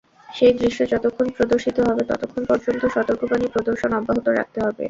সেই দৃশ্য যতক্ষণ প্রদর্শিত হবে, ততক্ষণ পর্যন্ত সতর্কবাণী প্রদর্শন অব্যাহত রাখতে হবে।